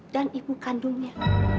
dan ibu kandungnya